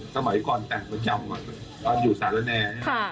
สมัยก่อนแต่งประจำตอนอยู่สารแน